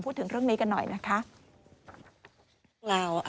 พูดถึงเรื่องนี้กันหน่อยนะคะ